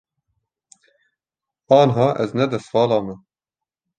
Aniha ez ne destvala me.